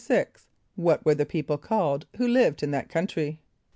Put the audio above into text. = What were the people called who lived in that country?